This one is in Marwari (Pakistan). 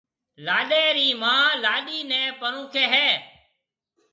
لاڏَي رِي مان لاڏِي نيَ پرونکيَ ھيََََ